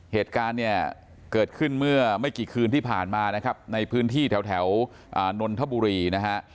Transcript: เหตุการณ์เนี่ยเกิดขึ้นเมื่อไม่กี่คืนที่ผ่านมานะครับในพื้นที่แถวนนทบุรีนะฮะ